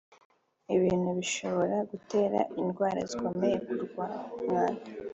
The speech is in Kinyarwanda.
ibintu bishobora gutera indwara zikomoka ku mwanda